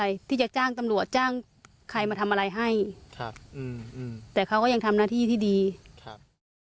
ไอ้ให้ครับอืมอืมแต่เขาก็ยังทำหน้าที่ที่ดีครับ